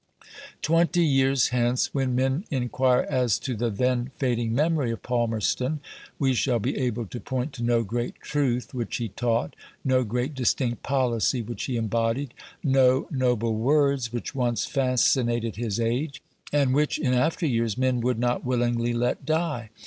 Twenty years hence, when men inquire as to the then fading memory of Palmerston, we shall be able to point to no great truth which he taught, no great distinct policy which he embodied, no noble words which once fascinated his age, and which, in after years, men would not willingly let die.